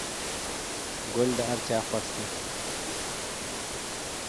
گل د هر چا خوښ وي.